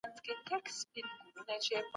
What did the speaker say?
د قاضي عبدالودود وینا ډېره مشهوره ده.